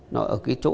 nó ở cái chỗ